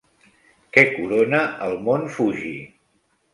Què corona el mont Fuji?